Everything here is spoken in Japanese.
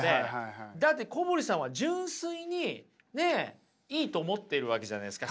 だって小堀さんは純粋にねっいいと思ってるわけじゃないですか